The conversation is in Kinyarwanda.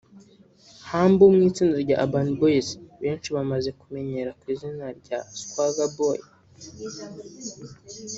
Humble wo mu itsinda rya Urban boys benshi bamaze kumenyera ku izina rya Swagger boys